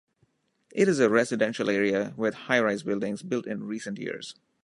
It is a residential area with high-rise buildings built in recent years.